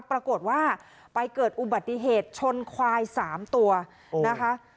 ปรากฏว่าไปเกิดอุบัติเหตุชนควาย๓ตัวนะคะ